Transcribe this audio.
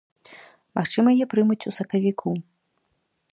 Магчыма, яе прымуць ў сакавіку.